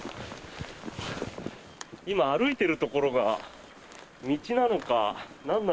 今、歩いているところが道なのかな